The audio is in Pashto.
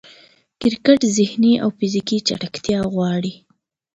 کرکټ ذهني او فزیکي چټکتیا غواړي.